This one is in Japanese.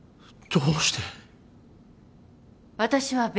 どうして。